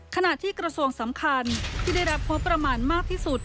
ขณะที่กระทรวงสำคัญที่ได้รับงบประมาณมากที่สุด